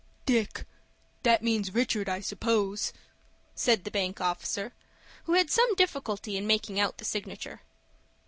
"Dick!—that means Richard, I suppose," said the bank officer, who had some difficulty in making out the signature.